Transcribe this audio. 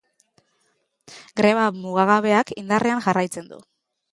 Greba mugagabeakindarrean jarraitzen du.